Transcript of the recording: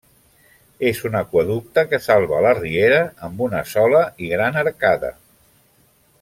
És un aqüeducte que salva la Riera amb una sola i gran arcada.